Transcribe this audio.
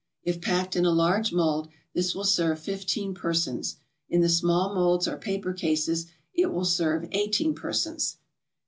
If packed in a large mold, this will serve fifteen persons; in the small molds or paper cases, it will serve eighteen persons.